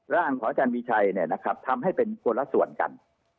ร่างขออาจารย์วิชัยเนี่ยนะครับทำให้เป็นคนละสวนกัน